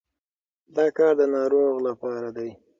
دا کار د ناروغ لپاره دی.